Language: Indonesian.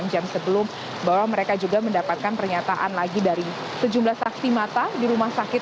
enam jam sebelum bahwa mereka juga mendapatkan pernyataan lagi dari sejumlah saksi mata di rumah sakit